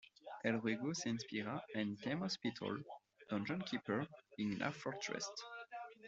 El juego se inspira en "Theme Hospital", "Dungeon Keeper", y "Dwarf Fortress".